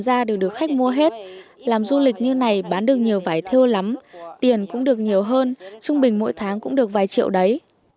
các khách đem ra đều được khách mua hết làm du lịch như này bán được nhiều vải theo lắm tiền cũng được nhiều hơn trung bình mỗi tháng cũng được vài triệu đấy